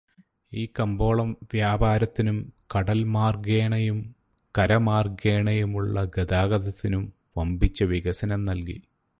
ഈ കമ്പോളം വ്യാപാരത്തിനും കടൽമാർഗ്ഗേണയും കരമാർഗ്ഗേണയുമുള്ള ഗതാഗതത്തിനും വമ്പിച്ച വികസനം നൽകി.